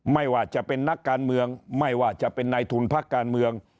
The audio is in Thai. ไม่ว่าจะเป็นนักการเมืองไม่ว่าจะเป็นนายทุนพักการเมือง